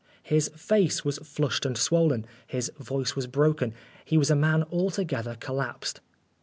His face was flushed and swollen, his voice was broken, he was a man altogether collapsed.